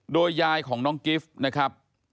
โดยยายของน้องกิฟต์นะครับ